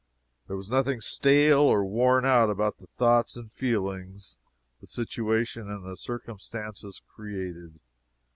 There was nothing stale or worn out about the thoughts and feelings the situation and the circumstances created.